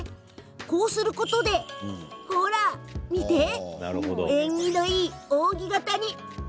こうすることで縁起のいい扇形に。